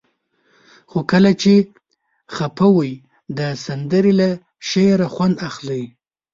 خو کله چې خفه وئ د سندرې له شعره خوند اخلئ.